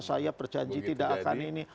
saya berjanji tidak akan ini